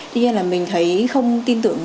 tuy nhiên là mình thấy không tin tưởng